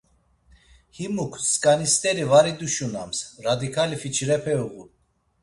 Himuk skani st̆eri var iduşunams, radikali fiçirepe uğun.